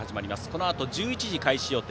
このあと１１時開始予定。